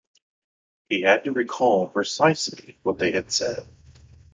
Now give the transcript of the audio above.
He had to recall precisely what they had said.